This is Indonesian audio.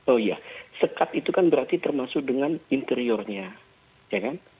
oh iya sekat itu kan berarti termasuk dengan interiornya ya kan